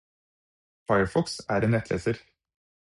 Firefox er en nettleser